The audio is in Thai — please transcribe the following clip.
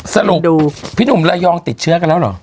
สรุปดูพี่หนุ่มระยองติดเชื้อกันแล้วเหรอ